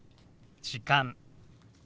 「時間」。